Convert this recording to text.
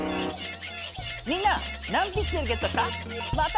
みんな何ピクセルゲットした？